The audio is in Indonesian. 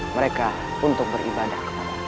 mereka untuk beribadah